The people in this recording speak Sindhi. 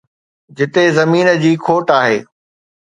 جتي زمين جي کوٽ آهي.